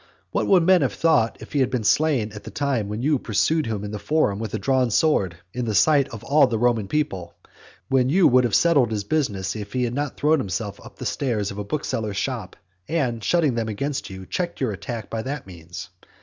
What would men have thought if he had been slain at the time when you pursued him in the forum with a drawn sword, in the sight of all the Roman people; and when you would have settled his business if he had not thrown himself up the stairs of a bookseller's shop, and, shutting them against you, checked your attack by that means?